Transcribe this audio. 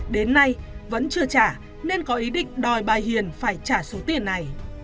đến nay vẫn chưa trả nên có ý định đòi bà hiền phải trả số tiền này